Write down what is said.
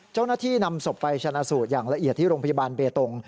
เจ้าหน้าที่นำศพไปชนะสูตรอย่างละเอียดที่โรงพยาบาลเบตง